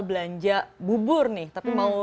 belanja bubur nih tapi mau